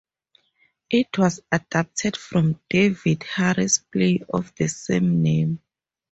It was adapted from David Hare's play of the same name.